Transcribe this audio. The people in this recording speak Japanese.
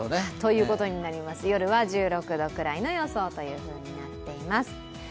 夜は１６度ぐらいの予想となっています。